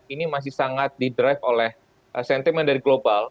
ini masih sangat didrive oleh sentimen dari global